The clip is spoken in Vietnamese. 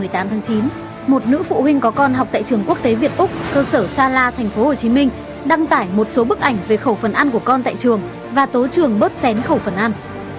đêm một mươi tám tháng chín một nữ phụ huynh có con học tại trường quốc tế việt úc cơ sở sa la thành phố hồ chí minh đăng tải một số bức ảnh về khẩu phần ăn của con tại trường và tố trường bớt xén khẩu phần ăn